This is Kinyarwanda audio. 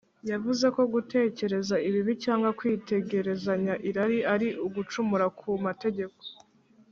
yavuze ko gutekereza ibibi cyangwa kwitegerezanya irari ari ugucumura ku mategeko